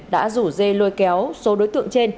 đã rủ dê lôi kéo số đối tượng trên